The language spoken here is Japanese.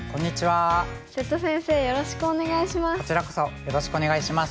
瀬戸先生よろしくお願いします。